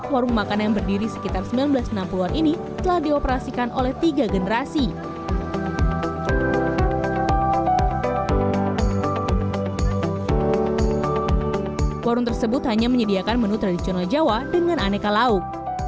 warung tersebut hanya menyediakan menu tradisional jawa dengan aneka lauk